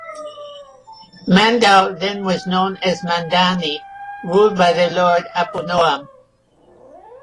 Mandaue then was known as Mandani ruled by their lord Aponoan.